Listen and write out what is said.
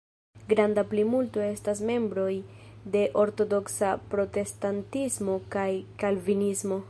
Granda plimulto estas membroj de ortodoksa protestantismo kaj kalvinismo.